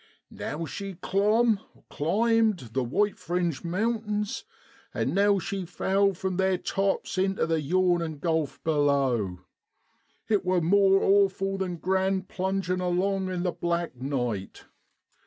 Now she clomb (climbed) the white fringed mountains, and now she fell from theer tops intu the yawnin' gulf below. It wor more awful than grand plungin' along in the black night.